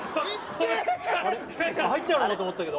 入っちゃうのかと思ったけど。